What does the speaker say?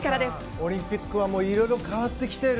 オリンピックはいろいろ変わってきている。